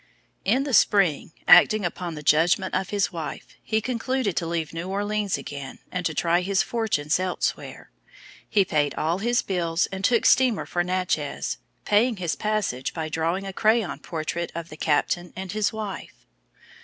In the spring, acting upon the judgment of his wife, he concluded to leave New Orleans again, and to try his fortunes elsewhere. He paid all his bills and took steamer for Natchez, paying his passage by drawing a crayon portrait of the captain and his wife.